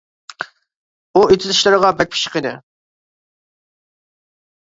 ئۇ ئېتىز ئىشلىرىغا بەك پىششىق ئىدى.